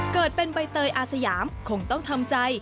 เกิดเป็นใบเตยอาสยามคงต้องทำใจ